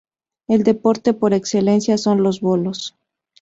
El deporte por excelencia son los bolos.